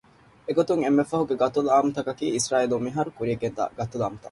އެގޮތުން އެންމެ ފަހުގެ ގަތުލުއާންމުތަކަކީ އިސްރާއީލުން މިހާރު ކުރިޔަށްގެންދާ ގަތުލުއާންމުތައް